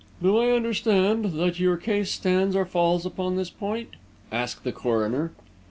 "Do I understand that your case stands or falls upon this point?" asked the coroner.